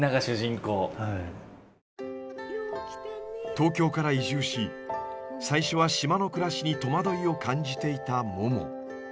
東京から移住し最初は島の暮らしに戸惑いを感じていたもも。